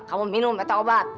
kamu minum ada obat